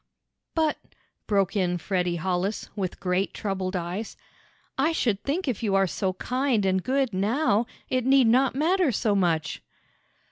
"But," broke in Freddie Hollis, with great, troubled eyes, "I should think if you are so kind and good now, it need not matter so much!"